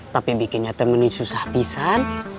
tapi bikinnya teh meni susah pisah